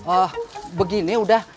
oh begini udah